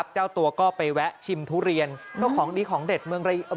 เจ้าตัวก็ไปแวะชิมทุเรียนเพราะของดีของเด็ดเมืองจันทร์